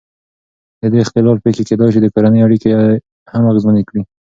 د دې اختلال پېښې کېدای شي د کورنۍ اړیکې هم اغېزمنې کړي.